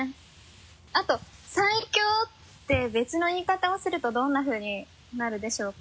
あと「最強」って別の言い方をするとどんなふうになるでしょうか？